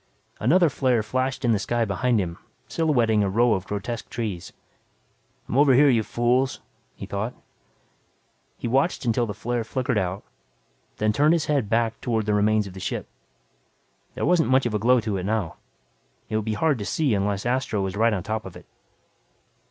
Another flare flashed in the sky behind him silhouetting a row of grotesque trees. I'm over here, you fools, he thought. He watched until the flare flickered out, then turned his head back toward the remains of the ship. There wasn't much of a glow to it now. It would be hard to see unless Astro was right on top of it.